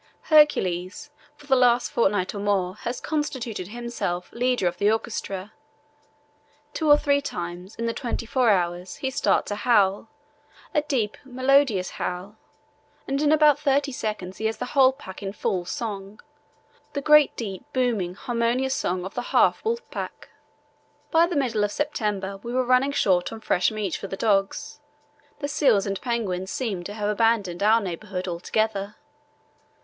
Hercules for the last fortnight or more has constituted himself leader of the orchestra. Two or three times in the twenty four hours he starts a howl—a deep, melodious howl—and in about thirty seconds he has the whole pack in full song, the great deep, booming, harmonious song of the half wolf pack." By the middle of September we were running short of fresh meat for the dogs. The seals and penguins seemed to have abandoned our neighbourhood altogether.